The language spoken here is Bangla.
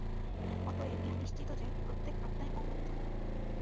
অতএব ইহা নিশ্চিত যে, প্রত্যেক আত্মাই অনন্ত।